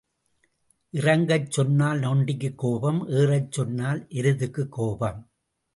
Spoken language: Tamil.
இறங்கச் சொன்னால் நொண்டிக்குக் கோபம் ஏறச் சொன்னால் எருதுக்குக் கோபம்.